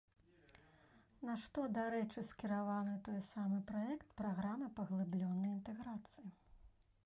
На што, дарэчы, скіраваны той самы праект праграмы паглыбленай інтэграцыі.